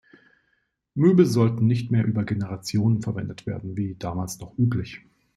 Möbel sollten nicht mehr über Generationen verwendet werden wie damals noch üblich.